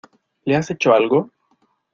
¿ le has hecho algo?